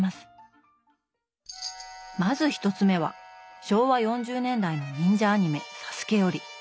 まず１つ目は昭和４０年代の忍者アニメ「サスケ」より。